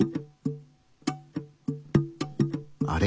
あれ？